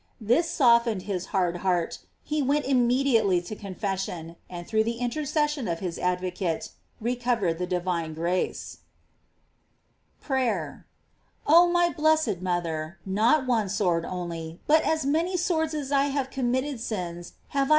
This soften ed his hard heart; he went immediately to con fession, and through the intercession of his ad« Tocate, recovered the divine grace. PRAYER. Oh my blessed mother, not one sword only, but as many swords as I have committed sins have I * Fase. di Hose, p. 2, c. & GLORIES OF MAKY.